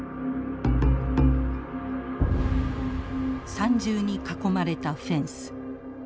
三重に囲まれたフェンス。